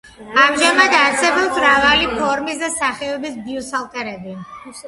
ამჟამად არსებობს მრავალი ფორმის და სახეობის ბიუსტჰალტერი.